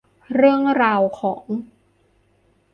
เรื่องราวของ